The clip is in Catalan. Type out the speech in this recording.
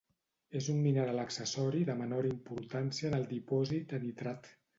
És un mineral accessori de menor importància en el dipòsit de nitrat.